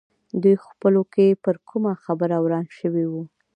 دوی خپلو کې پر کومه خبره وران شوي وو.